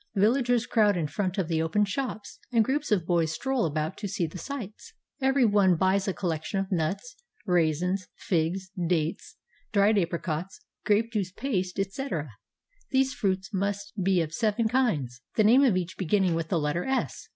Villagers crowd in front of the open shops, and groups of boys stroll about to see the sights. Every one buys a collection of nuts, raisins, figs, dates, dried apricots, grape juice paste, etc. These fruits must be of seven kinds, the name of each beginning with the letter "S."